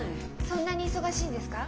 そんなに忙しいんですか？